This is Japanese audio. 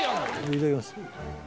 いただきます